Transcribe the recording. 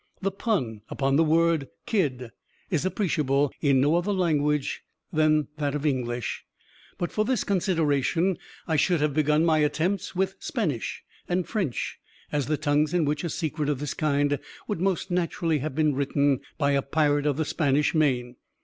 The pun upon the word 'Kidd' is appreciable in no other language than the English. But for this consideration I should have begun my attempts with Spanish and French, as the tongues in which a secret of this kind would most naturally have been written by a pirate of the Spanish, main.